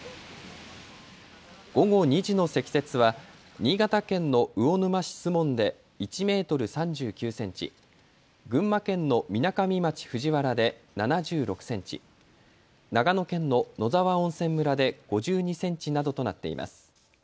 午後２時の積雪は新潟県の魚沼市守門で１メートル３９センチ、群馬県のみなかみ町藤原で７６センチ、長野県の野沢温泉村で５２センチなどとなっています。